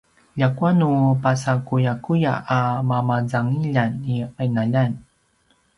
ljakua nu pasakuyakuya a mamazangiljan i qinaljan